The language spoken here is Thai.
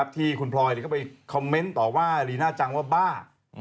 ที่คุณพลอยเข้าไปคอมเมนต์ต่อว่าลีน่าจังว่าบ้า